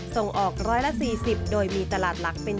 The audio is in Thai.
ส่งออก๑๔๐โดยมีตลาดหลักเป็น